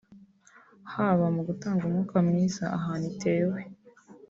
yaba mu gutanga umwuka mwiza ahantu itewe